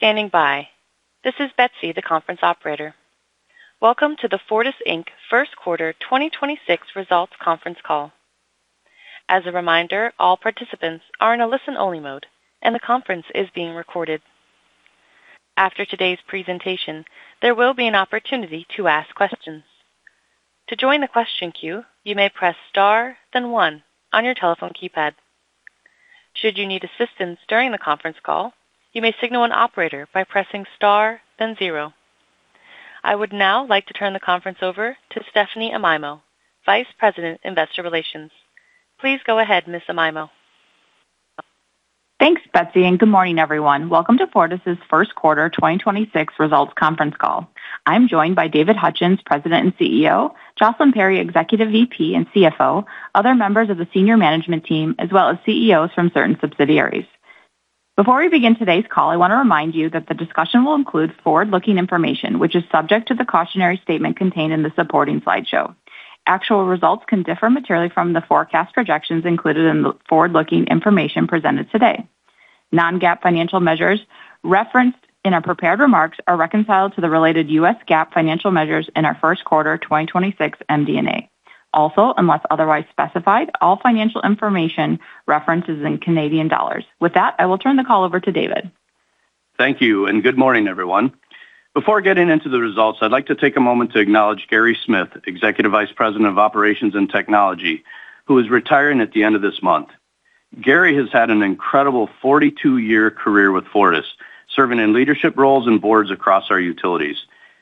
Thank you for standing by. This is Betsy, the conference operator. Welcome to the Fortis Inc first quarter 2026 results conference call. As a reminder, all participants are in a listen-only mode, and the conference is being recorded. After today's presentation, there will be an opportunity to ask questions. To join the question queue, you may press star then one on your telephone keypad. Should you need assistance during the conference call, you may signal an operator by pressing star then zero. I would now like to turn the conference over to Stephanie Amaimo, Vice President, Investor Relations. Please go ahead, Miss Amaimo. Thanks, Betsy, and good morning, everyone. Welcome to Fortis' first quarter 2026 results conference call. I'm joined by David Hutchens, President and CEO, Jocelyn Perry, Executive VP and CFO, other members of the senior management team, as well as CEOs from certain subsidiaries. Before we begin today's call, I want to remind you that the discussion will include forward-looking information, which is subject to the cautionary statement contained in the supporting slideshow. Actual results can differ materially from the forecast projections included in the forward-looking information presented today. Non-GAAP financial measures referenced in our prepared remarks are reconciled to the related U.S. GAAP financial measures in our first quarter 2026 MD&A. Unless otherwise specified, all financial information references in Canadian dollars. With that, I will turn the call over to David. Thank you, good morning, everyone. Before getting into the results, I'd like to take a moment to acknowledge Gary Smith, Executive Vice President of Operations and Technology, who is retiring at the end of this month. Gary has had an incredible 42-year career with Fortis, serving in leadership roles and boards across our utilities.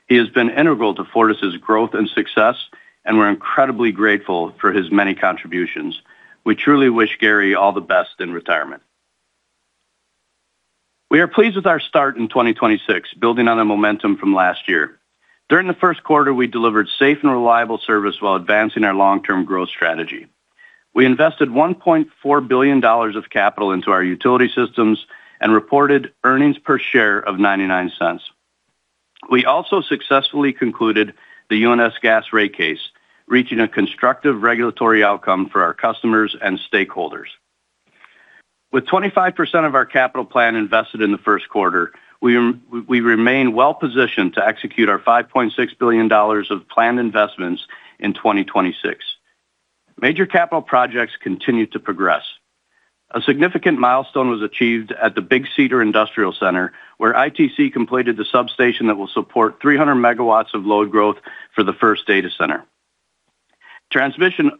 He has been integral to Fortis' growth and success, and we're incredibly grateful for his many contributions. We truly wish Gary all the best in retirement. We are pleased with our start in 2026, building on the momentum from last year. During the first quarter, we delivered safe and reliable service while advancing our long-term growth strategy. We invested 1.4 billion dollars of capital into our utility systems and reported earnings per share of 0.99. We also successfully concluded the UNS Gas rate case, reaching a constructive regulatory outcome for our customers and stakeholders. With 25% of our capital plan invested in the first quarter, we remain well-positioned to execute our 5.6 billion dollars of planned investments in 2026. Major capital projects continue to progress. A significant milestone was achieved at the Big Cedar Industrial Center, where ITC completed the substation that will support 300 MW of load growth for the first data center. Transmission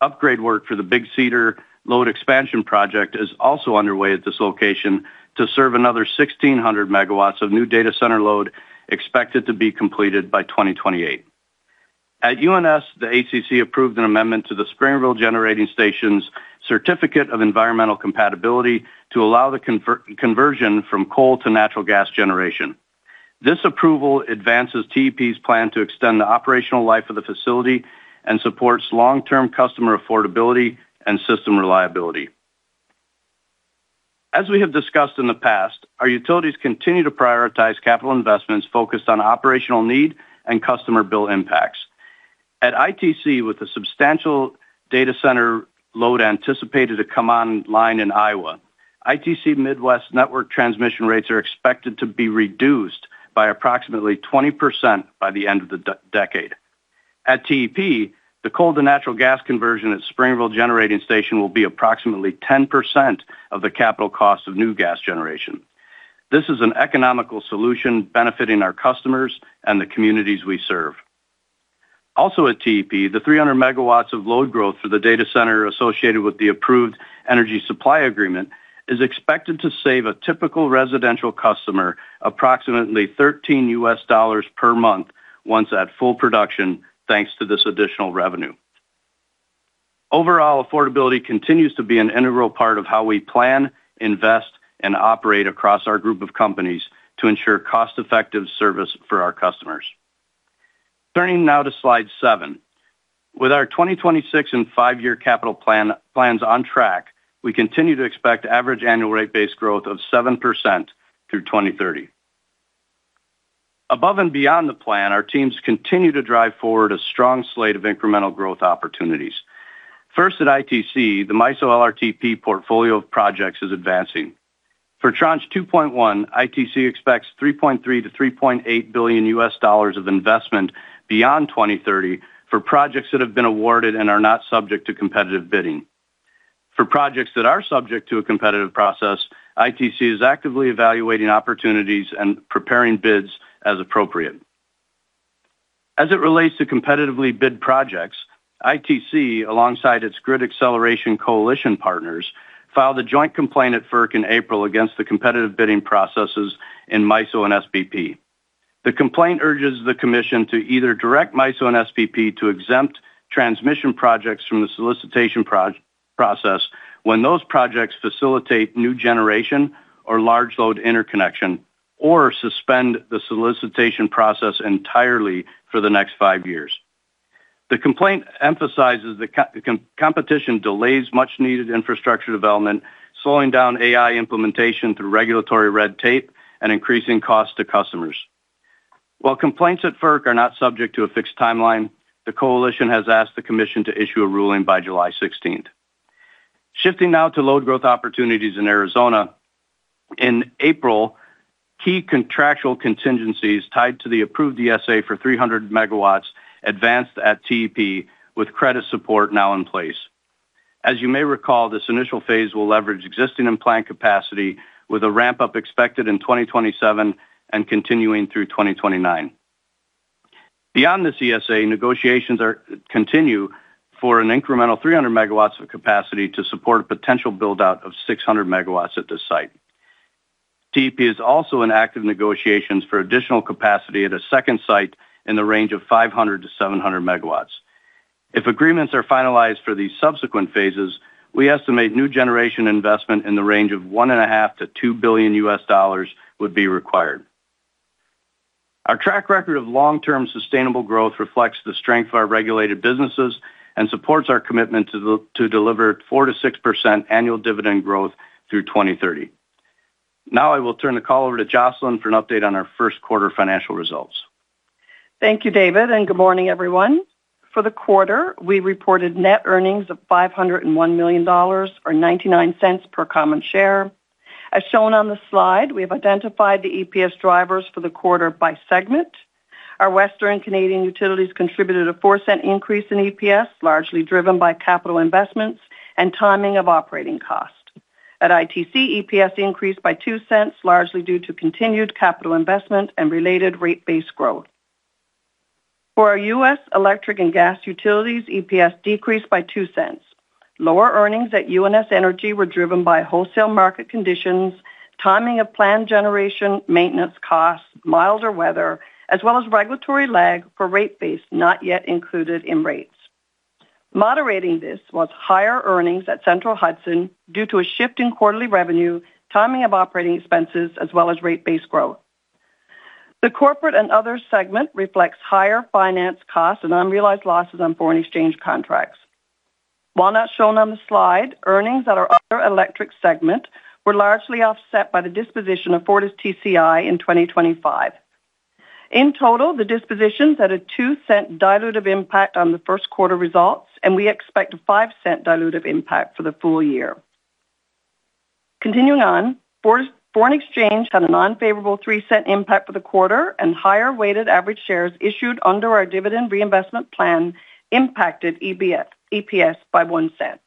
upgrade work for the Big Cedar load expansion project is also underway at this location to serve another 1,600 MW of new data center load expected to be completed by 2028. At UNS, the ACC approved an amendment to the Springerville Generating Station's Certificate of Environmental Compatibility to allow the conversion from coal to natural gas generation. This approval advances TEP's plan to extend the operational life of the facility and supports long-term customer affordability and system reliability. As we have discussed in the past, our utilities continue to prioritize capital investments focused on operational need and customer bill impacts. At ITC, with the substantial data center load anticipated to come online in Iowa, ITC Midwest network transmission rates are expected to be reduced by approximately 20% by the end of the decade. At TEP, the coal-to-natural gas conversion at Springerville Generating Station will be approximately 10% of the capital cost of new gas generation. This is an economical solution benefiting our customers and the communities we serve. Also at TEP, the 300 MW of load growth for the data center associated with the approved energy supply agreement is expected to save a typical residential customer approximately $13 per month once at full production, thanks to this additional revenue. Overall affordability continues to be an integral part of how we plan, invest, and operate across our group of companies to ensure cost-effective service for our customers. Turning now to slide seven. With our 2026 and five year capital plans on track, we continue to expect average annual rate base growth of 7% through 2030. Above and beyond the plan, our teams continue to drive forward a strong slate of incremental growth opportunities. First, at ITC, the MISO LRTP portfolio of projects is advancing. For Tranche 2.1, ITC expects $3.3 billion-$3.8 billion of investment beyond 2030 for projects that have been awarded and are not subject to competitive bidding. For projects that are subject to a competitive process, ITC is actively evaluating opportunities and preparing bids as appropriate. As it relates to competitively bid projects, ITC, alongside its Grid Acceleration Coalition partners, filed a joint complaint at FERC in April against the competitive bidding processes in MISO and SPP. The complaint urges the commission to either direct MISO and SPP to exempt transmission projects from the solicitation process when those projects facilitate new generation or large load interconnection or suspend the solicitation process entirely for the next five years. The complaint emphasizes that competition delays much-needed infrastructure development, slowing down AI implementation through regulatory red tape and increasing costs to customers. While complaints at FERC are not subject to a fixed timeline, the coalition has asked the commission to issue a ruling by July 16th. Shifting now to load growth opportunities in Arizona. In April, key contractual contingencies tied to the approved ESA for 300 MW advanced at TEP with credit support now in place. As you may recall, this initial phase will leverage existing and planned capacity with a ramp-up expected in 2027 and continuing through 2029. Beyond this ESA, negotiations continue for an incremental 300 MW of capacity to support a potential build-out of 600 MW at this site. TEP is also in active negotiations for additional capacity at a second site in the range of 500 MW-700 MW. If agreements are finalized for these subsequent phases, we estimate new generation investment in the range of $1.5 billion-$2 billion would be required. Our track record of long-term sustainable growth reflects the strength of our regulated businesses and supports our commitment to deliver 4%-6% annual dividend growth through 2030. Now I will turn the call over to Jocelyn for an update on our first quarter financial results. Thank you, David, and good morning, everyone. For the quarter, we reported net earnings of 501 million dollars or 0.99 per common share. As shown on the slide, we have identified the EPS drivers for the quarter by segment. Our Western Canadian utilities contributed a 0.04 increase in EPS, largely driven by capital investments and timing of operating costs. At ITC, EPS increased by 0.02, largely due to continued capital investment and related rate base growth. For our U.S. electric and gas utilities, EPS decreased by 0.02. Lower earnings at UNS Energy were driven by wholesale market conditions, timing of planned generation, maintenance costs, milder weather, as well as regulatory lag for rate base not yet included in rates. Moderating this was higher earnings at Central Hudson due to a shift in quarterly revenue, timing of operating expenses, as well as rate base growth. The corporate and other segment reflects higher finance costs and unrealized losses on foreign exchange contracts. While not shown on the slide, earnings at our other electric segment were largely offset by the disposition of FortisTCI in 2025. In total, the dispositions had a 0.02 dilutive impact on the first quarter results, and we expect a 0.05 dilutive impact for the full year. Continuing on, foreign exchange had an unfavorable CAD 0.03 impact for the quarter, and higher weighted average shares issued under our dividend reinvestment plan impacted EPS by 0.01.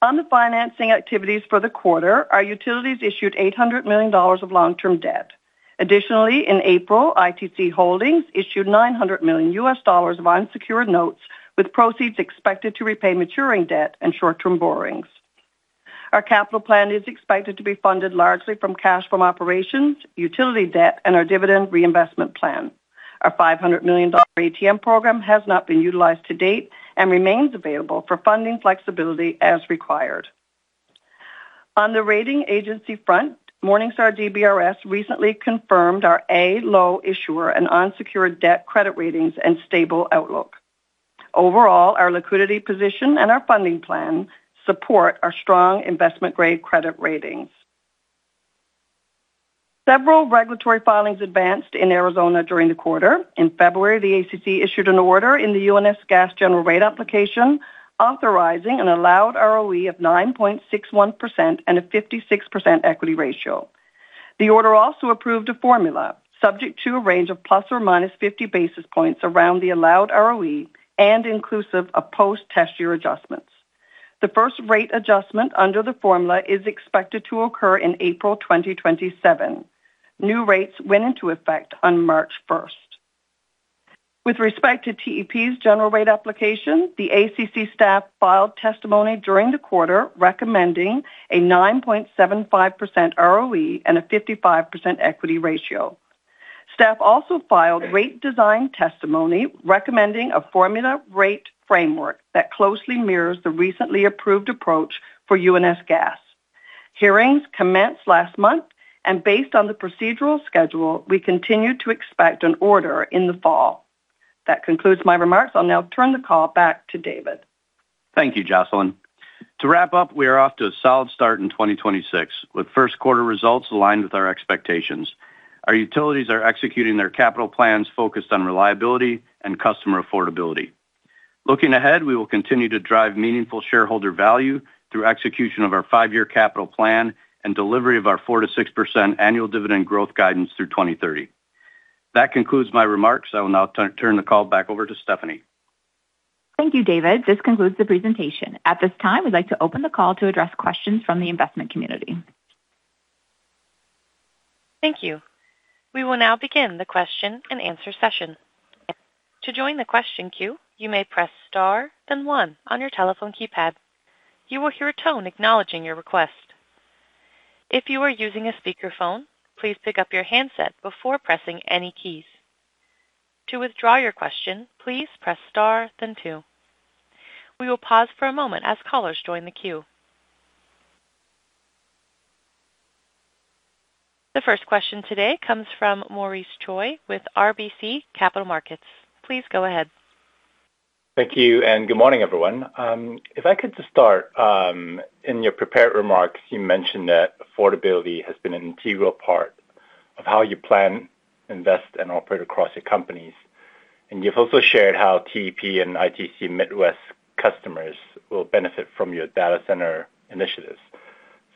On the financing activities for the quarter, our utilities issued 800 million dollars of long-term debt. Additionally, in April, ITC Holdings issued $900 million of unsecured notes, with proceeds expected to repay maturing debt and short-term borrowings. Our capital plan is expected to be funded largely from cash from operations, utility debt, and our dividend reinvestment plan. Our 500 million dollar ATM program has not been utilized to date and remains available for funding flexibility as required. On the rating agency front, Morningstar DBRS recently confirmed our A low issuer and unsecured debt credit ratings and stable outlook. Overall, our liquidity position and our funding plan support our strong investment-grade credit ratings. Several regulatory filings advanced in Arizona during the quarter. In February, the ACC issued an order in the UNS Gas general rate application, authorizing an allowed ROE of 9.61% and a 56% equity ratio. The order also approved a formula subject to a range of ±50 basis points around the allowed ROE and inclusive of post-test year adjustments. The first rate adjustment under the formula is expected to occur in April 2027. New rates went into effect on March 1st. With respect to TEP's general rate application, the ACC staff filed testimony during the quarter recommending a 9.75% ROE and a 55% equity ratio. Staff also filed rate design testimony recommending a formula rate framework that closely mirrors the recently approved approach for UNS Gas. Hearings commenced last month. Based on the procedural schedule, we continue to expect an order in the fall. That concludes my remarks. I'll now turn the call back to David. Thank you, Jocelyn. To wrap up, we are off to a solid start in 2026, with first quarter results aligned with our expectations. Our utilities are executing their capital plans focused on reliability and customer affordability. Looking ahead, we will continue to drive meaningful shareholder value through execution of our five year capital plan and delivery of our 4%-6% annual dividend growth guidance through 2030. That concludes my remarks. I will now turn the call back over to Stephanie. Thank you, David. This concludes the presentation. At this time, we'd like to open the call to address questions from the investment community. Thank you. We will now begin the question and answer session. To join the question queue, you may press star, then one on your telephone keypad. You will hear a tone acknowledging your request. If you are using a speakerphone, please pick up your handset before pressing any keys. To withdraw your question, please press star, then two. We will pause for a moment as callers join the queue. The first question today comes from Maurice Choy with RBC Capital Markets. Please go ahead. Thank you. Good morning, everyone. If I could just start, in your prepared remarks, you mentioned that affordability has been an integral part of how you plan, invest, and operate across your companies. You've also shared how TEP and ITC Midwest customers will benefit from your data center initiatives.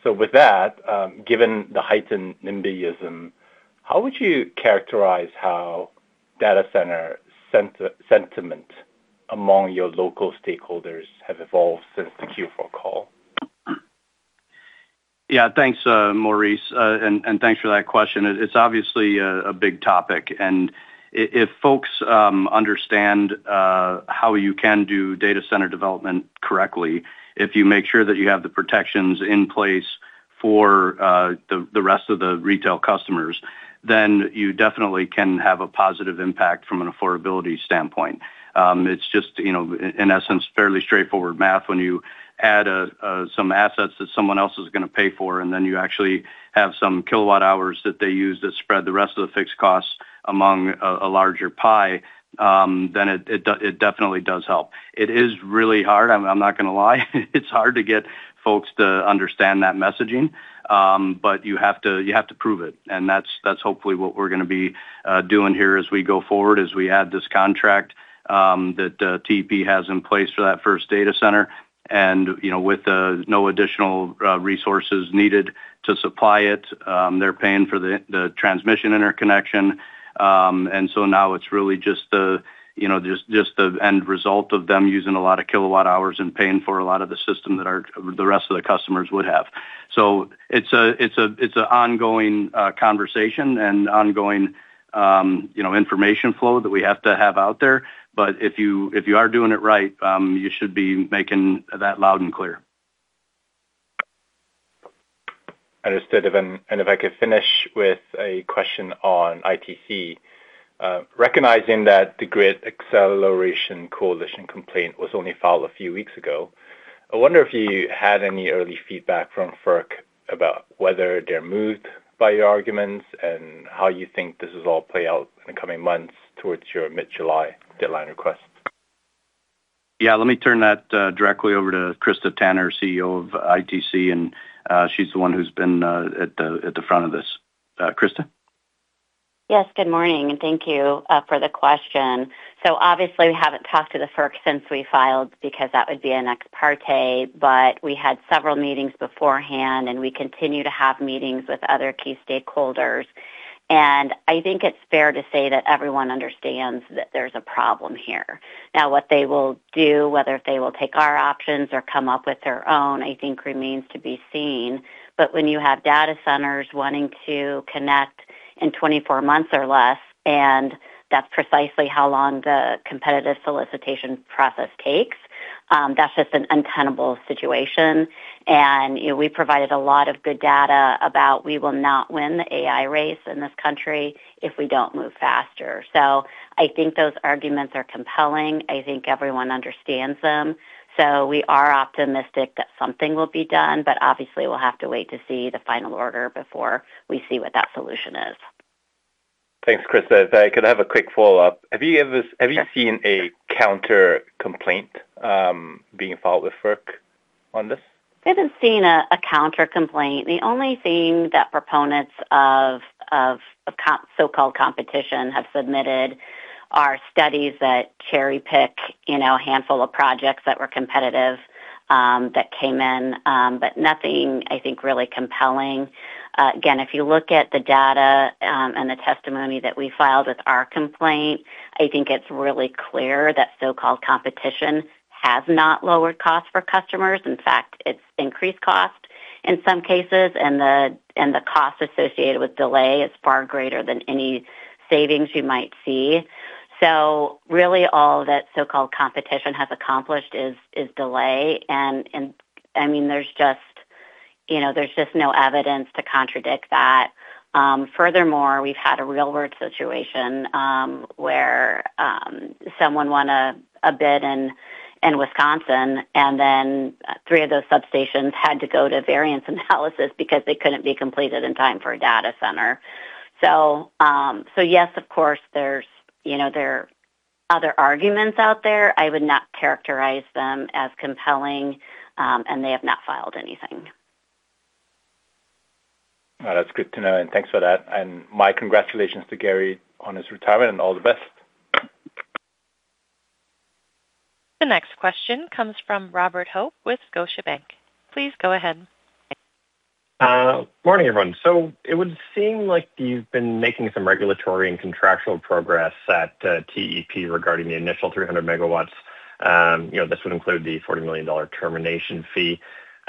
With that, given the heightened nimbyism, how would you characterize how data center sentiment among your local stakeholders have evolved since the Q4 call? Yeah. Thanks, Maurice. Thanks for that question. It's obviously a big topic. If folks understand how you can do data center development correctly, if you make sure that you have the protections in place for the rest of the retail customers, then you definitely can have a positive impact from an affordability standpoint. It's just, you know, in essence, fairly straightforward math. When you add some assets that someone else is gonna pay for, and then you actually have some kilowatt hours that they use to spread the rest of the fixed costs among a larger pie, then it definitely does help. It is really hard. I'm not gonna lie. It's hard to get folks to understand that messaging. You have to prove it, and that's hopefully what we're gonna be doing here as we go forward, as we add this contract that TEP has in place for that first data center. You know, with no additional resources needed to supply it, they're paying for the transmission interconnection. Now it's really just the, you know, just the end result of them using a lot of kilowatt hours and paying for a lot of the system that our the rest of the customers would have. It's an ongoing conversation and ongoing, you know, information flow that we have to have out there. If you are doing it right, you should be making that loud and clear. Understood. If I could finish with a question on ITC. Recognizing that the Grid Acceleration Coalition complaint was only filed a few weeks ago, I wonder if you had any early feedback from FERC about whether they're moved by your arguments and how you think this will all play out in the coming months towards your mid-July deadline request. Yeah. Let me turn that directly over to Krista Tanner, CEO of ITC, and she's the one who's been at the front of this. Krista? Yes. Good morning, thank you for the question. Obviously we haven't talked to the FERC since we filed because that would be an ex parte. We had several meetings beforehand, we continue to have meetings with other key stakeholders. I think it's fair to say that everyone understands that there's a problem here. What they will do, whether if they will take our options or come up with their own, I think remains to be seen. When you have data centers wanting to connect in 24 months or less, that's precisely how long the competitive solicitation process takes, that's just an untenable situation. You know, we provided a lot of good data about we will not win the AI race in this country if we don't move faster. I think those arguments are compelling. I think everyone understands them. We are optimistic that something will be done, but obviously we'll have to wait to see the final order before we see what that solution is. Thanks, Krista. If I could have a quick follow-up. Sure. Have you seen a counter-complaint, being filed with FERC on this? We haven't seen a counter-complaint. The only thing that proponents of so-called competition have submitted are studies that cherry-pick, you know, a handful of projects that were competitive that came in, nothing, I think, really compelling. Again, if you look at the data and the testimony that we filed with our complaint, I think it's really clear that so-called competition has not lowered costs for customers. In fact, it's increased cost in some cases, and the cost associated with delay is far greater than any savings you might see. Really all that so-called competition has accomplished is delay. I mean, there's just, you know, there's just no evidence to contradict that. Furthermore, we've had a real-world situation, where someone won a bid in Wisconsin, and then three of those substations had to go to variance analysis because they couldn't be completed in time for a data center. Yes, of course, there's, you know, there are other arguments out there. I would not characterize them as compelling, and they have not filed anything. All right. That's good to know, and thanks for that. My congratulations to Gary on his retirement, and all the best. The next question comes from Robert Hope with Scotiabank. Please go ahead. Morning, everyone. It would seem like you've been making some regulatory and contractual progress at TEP regarding the initial 300 MW. You know, this would include the $40 million termination fee.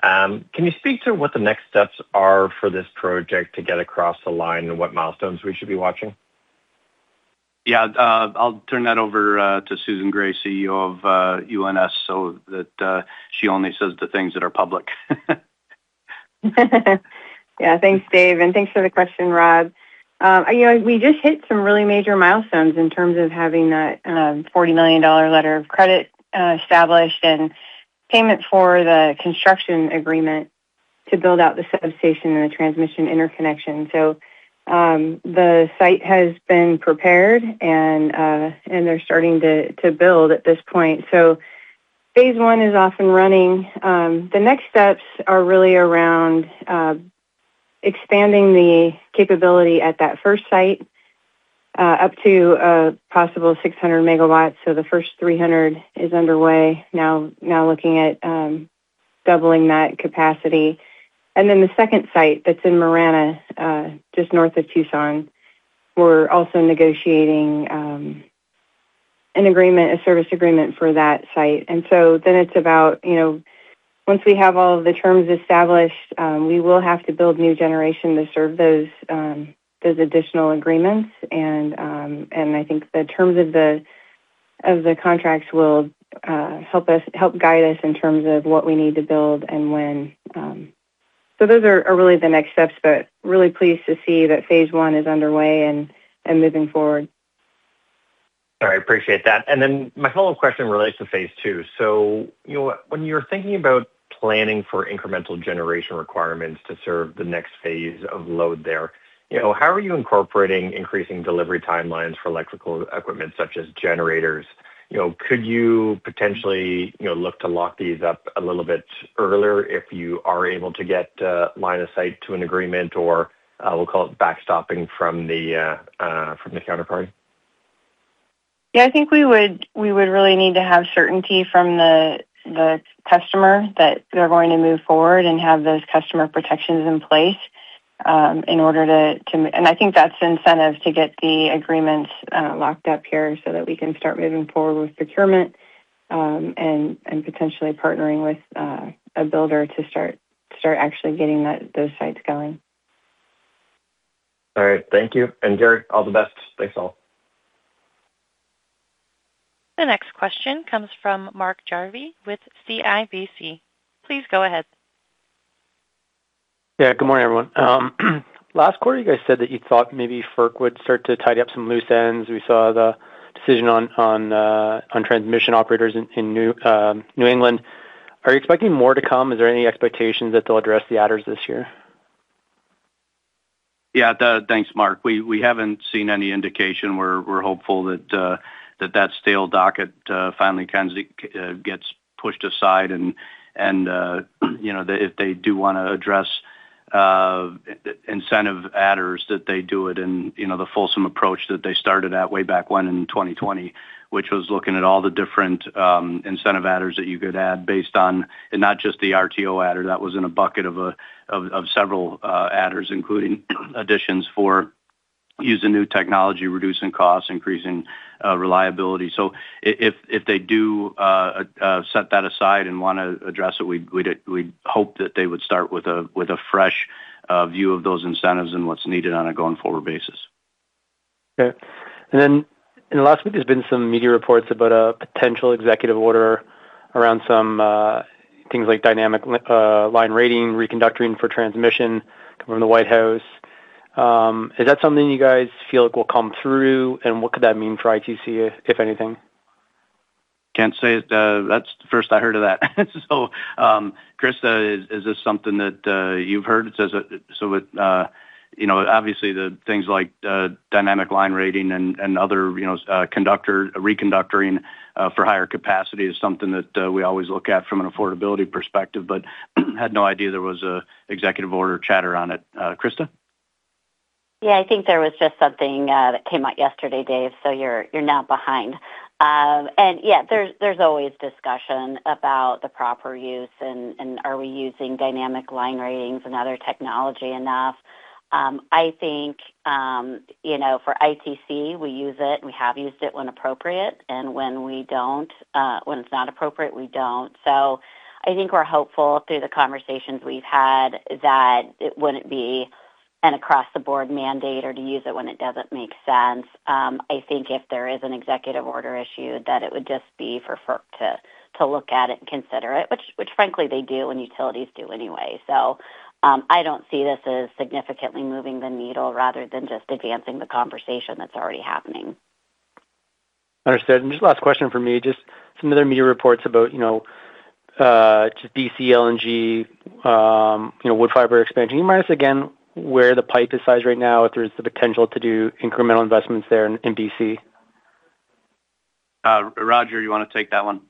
Can you speak to what the next steps are for this project to get across the line and what milestones we should be watching? Yeah. I'll turn that over to Susan Gray, CEO of UNS, so that she only says the things that are public. Yeah. Thanks, Dave, and thanks for the question, Rob. You know, we just hit some really major milestones in terms of having that, 40 million dollar letter of credit established and payment for the construction agreement to build out the substation and the transmission interconnection. The site has been prepared and they're starting to build at this point. Phase I is off and running. The next steps are really around expanding the capability at that first site up to a possible 600 MW. The first 300 MW is underway now looking at doubling that capacity. The second site that's in Marana, just north of Tucson, we're also negotiating an agreement, a service agreement for that site. It's about, you know, once we have all of the terms established, we will have to build new generation to serve those additional agreements. I think the terms of the contracts will help guide us in terms of what we need to build and when. Those are really the next steps, but really pleased to see that phase I is underway and moving forward. All right. Appreciate that. Then my follow-up question relates to phase II. You know, when you're thinking about planning for incremental generation requirements to serve the next phase of load there, you know, how are you incorporating increasing delivery timelines for electrical equipment such as generators? You know, could you potentially, you know, look to lock these up a little bit earlier if you are able to get line of sight to an agreement or, we'll call it backstopping from the counterparty? Yeah, I think we would really need to have certainty from the customer that they are going to move forward and have those customer protections in place. I think that is the incentive to get the agreements locked up here so that we can start moving forward with procurement and potentially partnering with a builder to start actually getting those sites going. All right. Thank you. David, all the best. Thanks, all. The next question comes from Mark Jarvi with CIBC. Please go ahead. Yeah, good morning, everyone. Last quarter, you guys said that you thought maybe FERC would start to tidy up some loose ends. We saw the decision on transmission operators in New England. Are you expecting more to come? Is there any expectation that they'll address the adders this year? Thanks, Mark. We haven't seen any indication. We're hopeful that that stale docket finally gets pushed aside, and, you know, if they do want to address incentive adders, that they do it in, you know, the Folsom approach that they started at way back when in 2020, which was looking at all the different incentive adders that you could add based on, and not just the RTO adder. That was in a bucket of several adders, including additions for using new technology, reducing costs, increasing reliability. If they do set that aside and want to address it, we'd hope that they would start with a fresh view of those incentives and what's needed on a going-forward basis. Okay. In the last week, there's been some media reports about a potential executive order around some things like dynamic line rating, reconductoring for transmission coming from the White House. Is that something you guys feel like will come through, and what could that mean for ITC, if anything? Can't say. That's the first I heard of that. Krista, is this something that you've heard? It says that you know, obviously the things like dynamic line rating and other, you know, conductor, reconductoring for higher capacity is something that we always look at from an affordability perspective, but had no idea there was an executive order chatter on it. Krista? I think there was just something that came out yesterday, Dave, so you're not behind. There's always discussion about the proper use and are we using dynamic line ratings and other technology enough. I think, you know, for ITC, we use it, and we have used it when appropriate. When it's not appropriate, we don't. I think we're hopeful through the conversations we've had that it wouldn't be an across-the-board mandate or to use it when it doesn't make sense. I think if there is an executive order issued, that it would just be for FERC to look at it and consider it, which frankly they do and utilities do anyway. I don't see this as significantly moving the needle rather than just advancing the conversation that's already happening. Understood. Just last question from me. Just some of the media reports about, you know, just B.C., LNG, you know, Woodfibre expansion. Can you remind us again where the pipe is sized right now, if there's the potential to do incremental investments there in B.C.? Roger, you wanna take that one?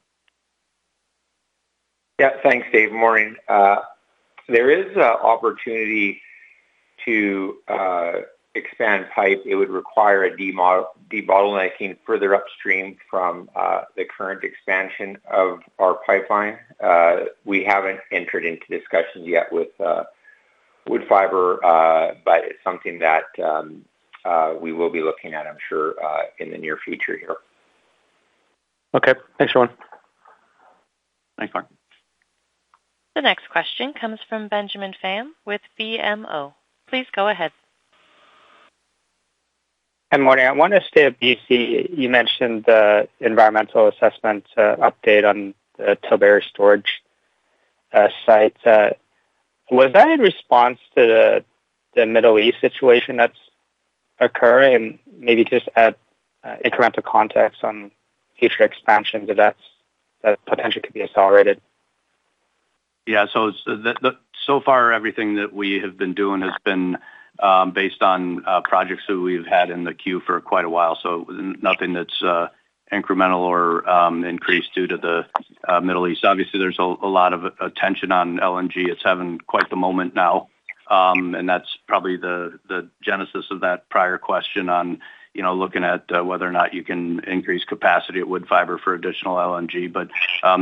Yeah. Thanks, Dave. Morning. There is a opportunity to expand pipe. It would require a debottlenecking further upstream from the current expansion of our pipeline. We haven't entered into discussions yet with Woodfibre, but it's something that we will be looking at, I'm sure, in the near future here. Okay. Thanks, everyone. Thanks, Mark. The next question comes from Benjamin Pham with BMO. Please go ahead. Hi. Morning. I wanna stay at B.C. You mentioned the environmental assessment update on the Tilbury storage site. Was that in response to the Middle East situation that's occurring? Maybe just add incremental context on future expansions, if that potentially could be accelerated. So far everything that we have been doing has been based on projects that we've had in the queue for quite a while. Nothing that's incremental or increased due to the Middle East. Obviously, there's a lot of attention on LNG. It's having quite the moment now. That's probably the genesis of that prior question on, you know, looking at whether or not you can increase capacity at Woodfibre for additional LNG.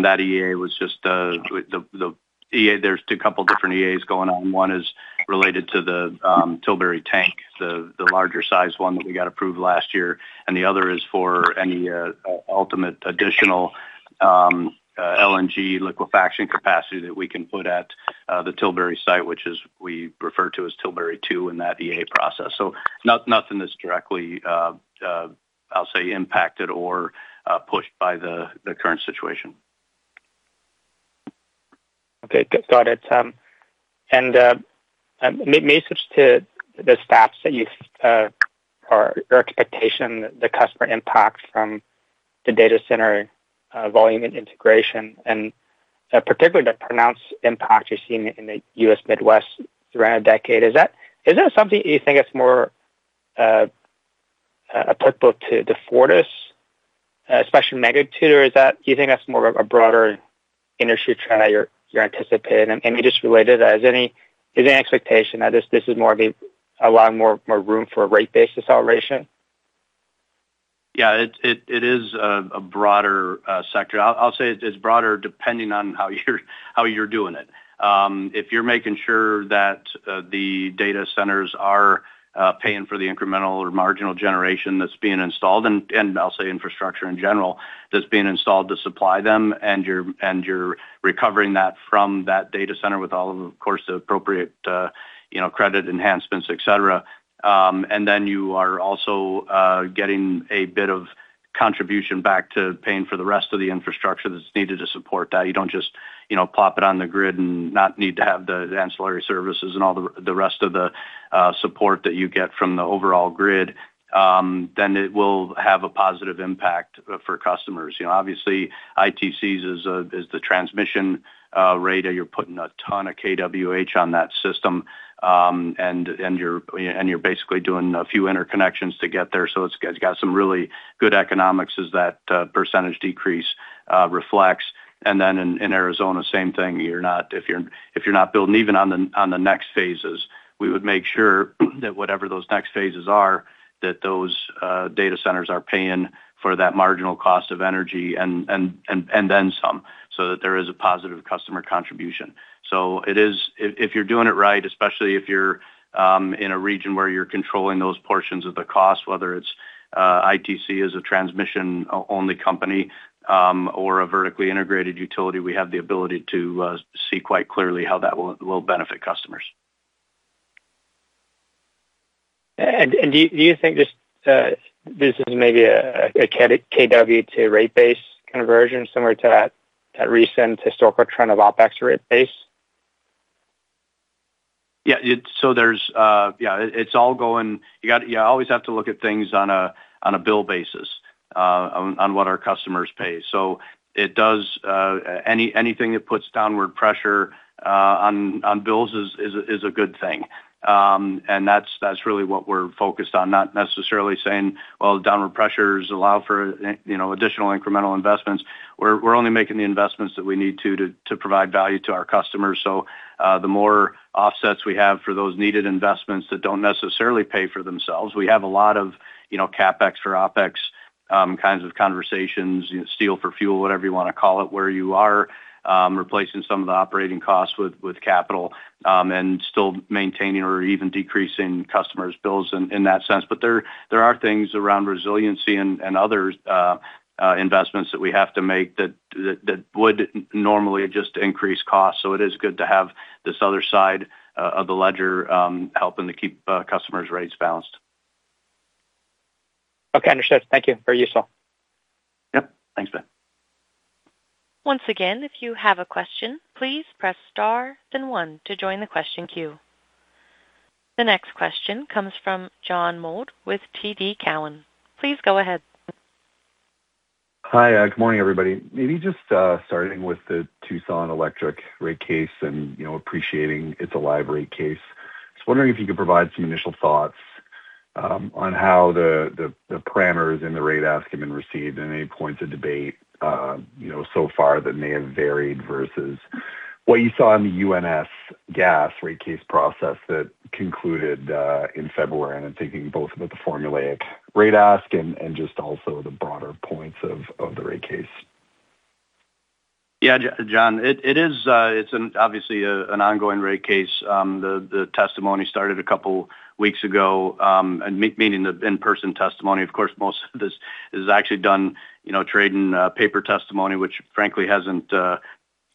That EA was just the EA, there's a couple different EAs going on. One is related to the Tilbury tank, the larger size one that we got approved last year, and the other is for any ultimate additional LNG liquefaction capacity that we can put at the Tilbury site, which is we refer to as Tilbury Two in that EA process. Nothing is directly, I'll say impacted or pushed by the current situation. Okay. Got it. Maybe switch to the stats that you've or your expectation the customer impact from the data center volume and integration, and particularly the pronounced impact you're seeing in the U.S. Midwest throughout the decade. Is that something you think is more applicable to the Fortis, especially magnitude? Do you think that's more of a broader industry trend that you're anticipating? Maybe just related, is there any expectation that this is more of a allow more room for rate base deceleration? Yeah. It is a broader sector. I'll say it's broader depending on how you're doing it. If you're making sure that the data centers are paying for the incremental or marginal generation that's being installed and I'll say infrastructure in general that's being installed to supply them, and you're recovering that from that data center with all of course, the appropriate, you know, credit enhancements, et cetera. You are also getting a bit of contribution back to paying for the rest of the infrastructure that's needed to support that. You don't just, you know, plop it on the grid and not need to have the ancillary services and all the rest of the support that you get from the overall grid. It will have a positive impact for customers. You know, obviously, ITC is the transmission rate. You're putting a ton of kWh on that system. You're basically doing a few interconnections to get there. It's got some really good economics as that percentage decrease reflects. In Arizona, same thing. If you're not building even on the next phases, we would make sure that whatever those next phases are, that those data centers are paying for that marginal cost of energy and then some so that there is a positive customer contribution. It is if you're doing it right, especially if you're in a region where you're controlling those portions of the cost, whether it's ITC as a transmission only company, or a vertically integrated utility, we have the ability to see quite clearly how that will benefit customers. Do you think this is maybe a kW to rate base conversion similar to that recent historical trend of OpEx to rate base? Yeah. It's all going You always have to look at things on a bill basis, on what our customers pay. Anything that puts downward pressure, on bills is a good thing. That's really what we're focused on, not necessarily saying, "Well, the downward pressures allow for, you know, additional incremental investments." We're only making the investments that we need to provide value to our customers. The more offsets we have for those needed investments that don't necessarily pay for themselves, we have a lot of, you know, CapEx for OpEx, kinds of conversations, you know, steel for fuel, whatever you wanna call it, where you are replacing some of the operating costs with capital, and still maintaining or even decreasing customers' bills in that sense. There are things around resiliency and others investments that we have to make that would normally just increase costs. It is good to have this other side of the ledger, helping to keep customers' rates balanced. Okay. Understood. Thank you. Very useful. Yep. Thanks, Ben. Once again, if you have a question, please press star then one to join the question queue. The next question comes from John Mould with TD Cowen. Please go ahead. Hi. Good morning, everybody. Maybe just, starting with the Tucson Electric rate case and, you know, appreciating it's a library case. I was wondering if you could provide some initial thoughts on how the parameters in the rate ask have been received and any points of debate, you know, so far that may have varied versus what you saw in the UNS gas rate case process that concluded in February. I'm thinking both about the formulaic rate ask and just also the broader points of the rate case. Yeah. John, it is obviously an ongoing rate case. The testimony started a couple weeks ago, meaning the in-person testimony. Of course, most of this is actually done, you know, trade and paper testimony, which frankly hasn't,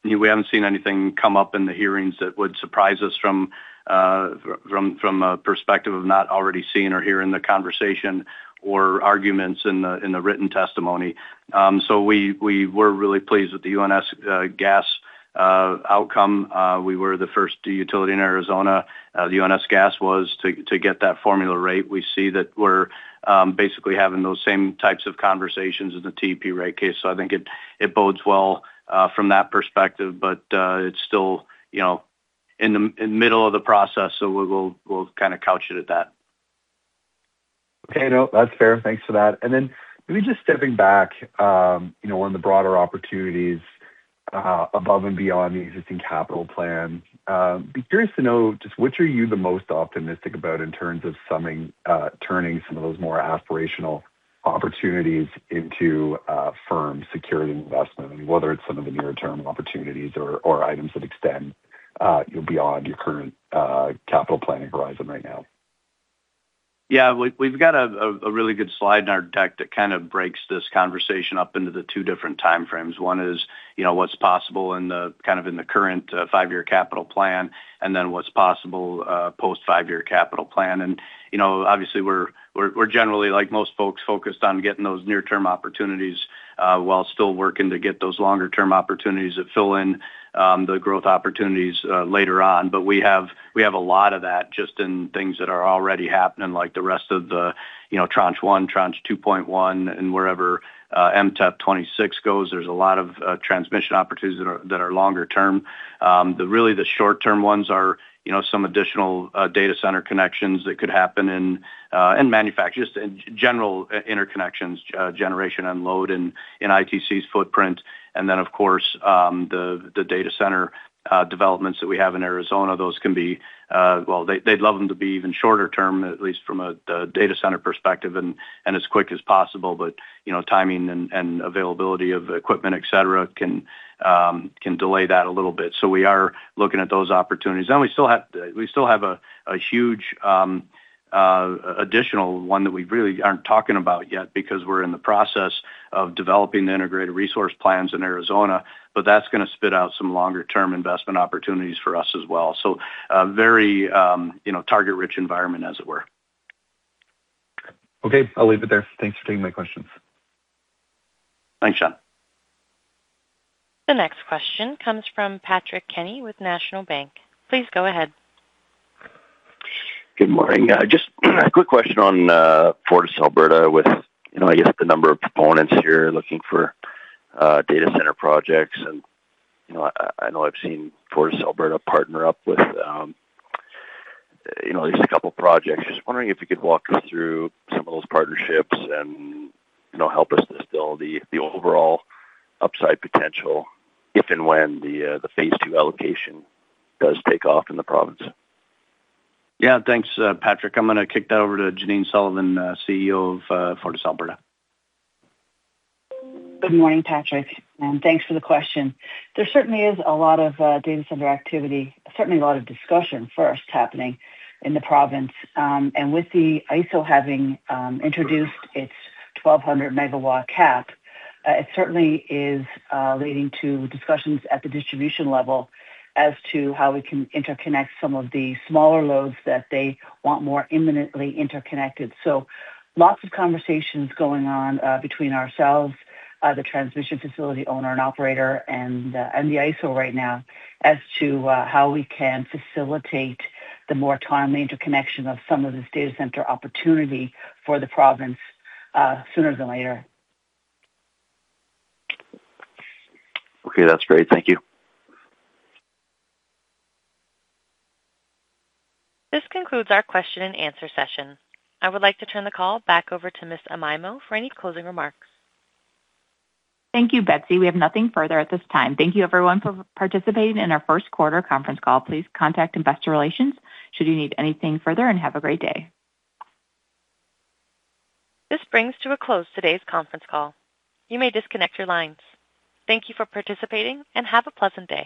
we haven't seen anything come up in the hearings that would surprise us from a perspective of not already seeing or hearing the conversation or arguments in the written testimony. We were really pleased with the UNS Gas outcome. We were the first utility in Arizona, the UNS Gas was to get that formula rate. We see that we're basically having those same types of conversations in the TEP rate case. I think it bodes well from that perspective. It's still, you know, in the middle of the process, so we'll kind of couch it at that. Okay. No, that's fair. Thanks for that. Then maybe just stepping back, you know, on the broader opportunities, above and beyond the existing capital plan, be curious to know just which are you the most optimistic about in terms of turning some of those more aspirational opportunities into a firm security investment, I mean, whether it's some of the near-term opportunities or items that extend beyond your current capital planning horizon right now? We've got a really good slide in our deck that kind of breaks this conversation up into the two different timeframes. One is, you know, what's possible in the kind of in the current five year capital plan, then what's possible post five year capital plan. You know, obviously we're generally like most folks focused on getting those near-term opportunities while still working to get those longer term opportunities that fill in the growth opportunities later on. We have a lot of that just in things that are already happening, like the rest of the, you know, Tranche 1, Tranche 2.1 and wherever MTEP 26 goes. There's a lot of transmission opportunities that are longer term. The really, the short-term ones are, you know, some additional data center connections that could happen in manufacturers. In general, interconnections, generation unload in ITC's footprint. Of course, the data center developments that we have in Arizona. Those can be, well, they'd love them to be even shorter term, at least from a, the data center perspective and as quick as possible. You know, timing and availability of equipment, et cetera, can delay that a little bit. We are looking at those opportunities. We still have, we still have a huge additional one that we really aren't talking about yet because we're in the process of developing the integrated resource plans in Arizona. That's gonna spit out some longer term investment opportunities for us as well. Very, you know, target-rich environment as it were. Okay. I'll leave it there. Thanks for taking my questions. Thanks, John. The next question comes from Patrick Kenny with National Bank. Please go ahead. Good morning. Just a quick question on FortisAlberta with, you know, I guess, the number of proponents here looking for data center projects. You know, I know I've seen FortisAlberta partner up with, you know, at least a couple projects. Just wondering if you could walk us through some of those partnerships and, you know, help us distill the overall upside potential if and when the phase two allocation does take off in the province. Yeah. Thanks, Patrick. I'm gonna kick that over to Janine Sullivan, CEO of FortisAlberta. Good morning, Patrick. Thanks for the question. There certainly is a lot of data center activity. Certainly a lot of discussion first happening in the province. With the ISO having introduced its 1,200 MW cap, it certainly is leading to discussions at the distribution level as to how we can interconnect some of the smaller loads that they want more imminently interconnected. Lots of conversations going on between ourselves, the transmission facility owner and operator and the ISO right now as to how we can facilitate the more timely interconnection of some of this data center opportunity for the province sooner than later. Okay. That's great. Thank you. This concludes our question-and-answer session. I would like to turn the call back over to Miss Amaimo for any closing remarks. Thank you, Betsy. We have nothing further at this time. Thank you everyone for participating in our first quarter conference call. Please contact investor relations should you need anything further, and have a great day. This brings to a close today's conference call. You may disconnect your lines. Thank you for participating, and have a pleasant day.